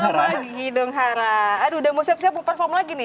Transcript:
jangan lupa subscribe channel ini